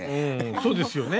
そうですよね。